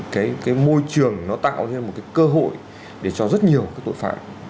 cái môi trường nó tạo nên một cái cơ hội để cho rất nhiều tội phạm